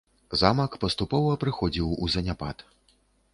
Замак паступова прыходзіў у заняпад.